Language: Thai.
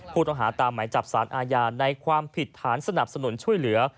ผู้ต้องหาตามหมายจับสารอาญาในความผิดฐานสนับสนุนช่วยเหลือ